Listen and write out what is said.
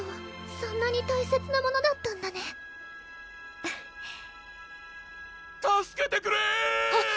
そんなに大切なものだったんだね・助けてくれ！